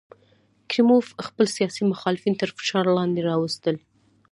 کریموف خپل سیاسي مخالفین تر فشار لاندې راوستل.